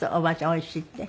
「おいしい」って？